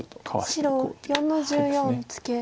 白４の十四ツケ。